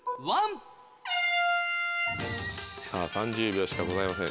さぁ３０秒しかございません。